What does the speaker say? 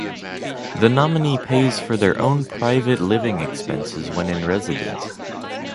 The nominee pays for their own private living expenses when in residence.